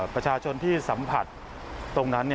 ประชาชนที่สัมผัสตรงนั้น